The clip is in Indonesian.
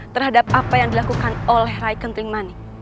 terhadap apa yang dilakukan oleh rai ketrimani